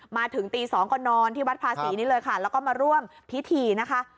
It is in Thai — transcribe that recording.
มาถึงตี๒ก็นอนที่วัดภาษีนี้เลยค่ะแล้วก็มาร่วมพิธีนะคะ